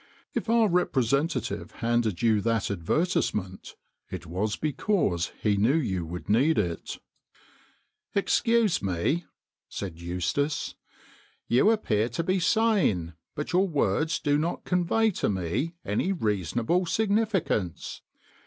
If our representative handed you that THE COFFIN MERCHANT 177 advertisement, it was because he knew you would need it." " Excuse me," said Eustace, " you appear to be sane, but your words do not convey to me any reasonable significance.